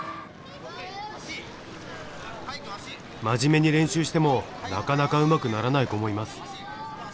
まじめに練習してもなかなかうまくならない子もいます。